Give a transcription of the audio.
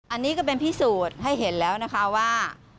อันนี้ก็เป็นพิสูจน์ให้เห็นแล้วนะคะว่า